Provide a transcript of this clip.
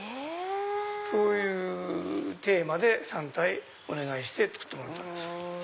そういうテーマで３体お願いして作ってもらったんです。